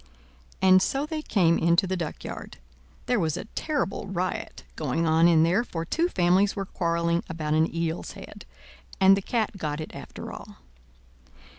And so they came into the duckyard. There was a terrible riot, going on in there, for two families were quarreling about an eel's head, and the cat got it after all.